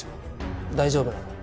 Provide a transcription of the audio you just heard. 大丈夫なの？